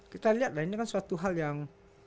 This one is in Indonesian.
kita lihatlah ini kan suatu hal yang